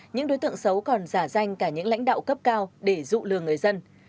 những đối tượng xấu còn giả danh cả những lãnh đạo cấp cao để dụ lừa người dân